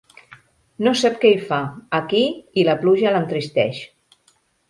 No sap què hi fa, aquí, i la pluja l'entristeix.